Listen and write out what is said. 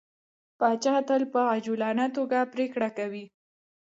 پاچا تل په عجولانه ټوګه پرېکړه کوي.